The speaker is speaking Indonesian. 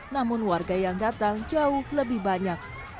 namun warga yang datang jauh lebih banyak